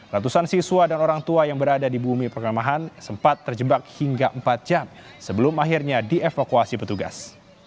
ratusan siswa dan orang tua yang berada di bumi perkemahan sempat terjebak hingga empat jam sebelum akhirnya dievakuasi petugas